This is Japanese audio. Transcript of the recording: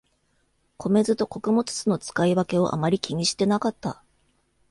米酢と穀物酢の使い分けをあまり気にしてなかった